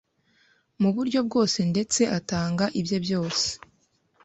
mu buryo bwose ndetse atanga ibye byose